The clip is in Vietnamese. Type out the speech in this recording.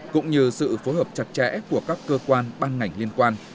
cũng như sự phối hợp chặt chẽ của các cơ quan ban ngành liên quan